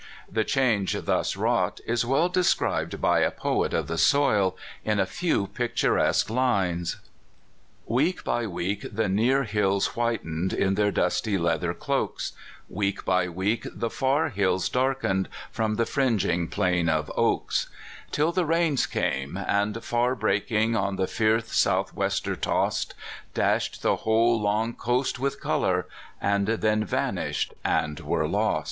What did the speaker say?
The change thus wrought is well described by a poet of the soil in a few picturesque lines : Week by week the near hills whitened, In their dusty leather cloaks ; Week by week the far hills darkened, From the fringing plain of oaks; Till the rains came, and far breaking, On the fierce south wester tost, Dashed the whole long coast with color, And then vanished and were lost.